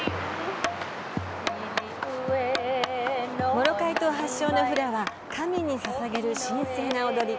モロカイ島発祥のフラは神にささげる神聖な踊り。